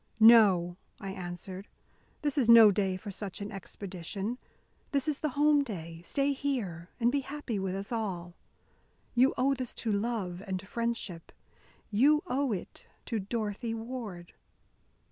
"No," I answered, "this is no day for such an expedition. This is the home day. Stay here and be happy with us all. You owe this to love and friendship. You owe it to Dorothy Ward."